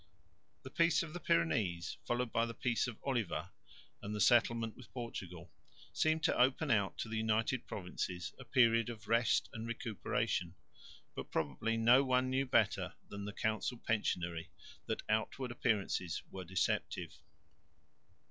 The peace of the Pyrenees, followed by the peace of Oliva and the settlement with Portugal, seemed to open out to the United Provinces a period of rest and recuperation, but probably no one knew better than the council pensionary that outward appearances were deceptive.